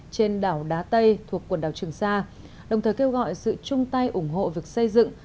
trên đảo đá tây thuộc quần đảo trường sa đồng thời kêu gọi sự chung tay ủng hộ việc xây dựng